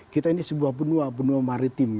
kita ini sebuah benua benua maritim